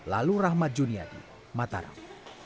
lalu rahmat juniadi mataram